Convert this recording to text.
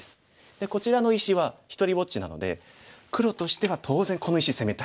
でこちらの石は独りぼっちなので黒としては当然この石攻めたい。